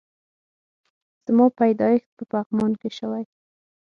زما پيدايښت په پغمان کی شوي